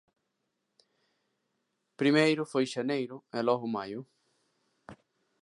Primeiro foi xaneiro e logo maio.